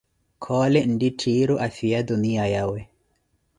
́Khoole nttitthiiru afhiya tuniya yawe`.